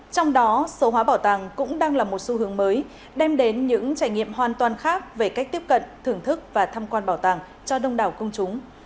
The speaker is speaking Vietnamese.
trong đó số hóa bảo tàng cũng đang là một xu hướng mới đem đến những trải nghiệm hoàn toàn khác về cách tiếp cận thưởng thức và tham quan bảo tàng cho đông đảo công chúng